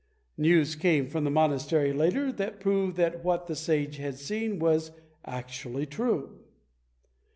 News came from the monastery later on that proved that what the sage had seen was actually true.